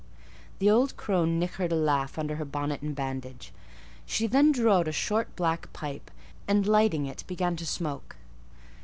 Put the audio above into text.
The old crone "nichered" a laugh under her bonnet and bandage; she then drew out a short black pipe, and lighting it began to smoke.